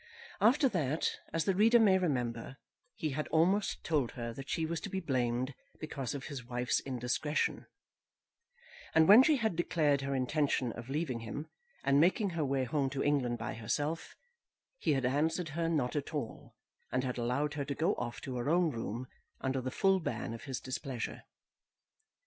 After that, as the reader may remember, he had almost told her that she was to be blamed because of his wife's indiscretion; and when she had declared her intention of leaving him, and making her way home to England by herself, he had answered her not at all, and had allowed her to go off to her own room under the full ban of his displeasure.